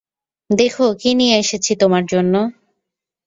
দেখো কি নিয়ে এসেছি তোমার জন্য।